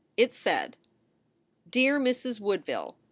It said: DEAR MRS. WOODVILLE.